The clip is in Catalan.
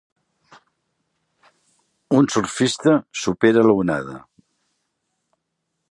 Un surfista supera l'onada.